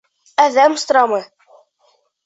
Әҙәм страмы!